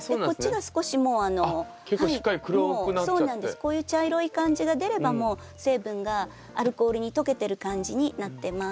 こういう茶色い感じが出ればもう成分がアルコールに溶けてる感じになってます。